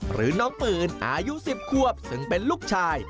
หรือน้องปืนอายุ๑๐ควบซึ่งเป็นลูกชาย